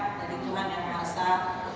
untuk anda yang belum kembali ke masyarakat